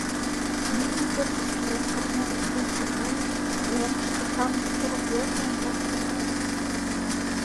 Нина, пӧртыш пурен, окна воктен шогале, уремышке, Камыш курык велке ончаш тӱҥале.